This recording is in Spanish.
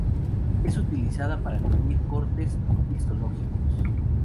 Es utilizada para teñir cortes histológicos.